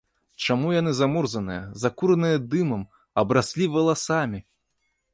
Чаму яны замурзаныя, закураныя дымам, абраслі валасамі?